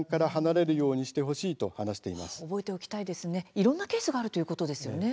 いろんなケースがあるということですね。